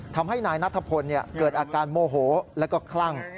ทำให้นายนัทพลเกิดอาการโมโหแล้วก็คลั่ง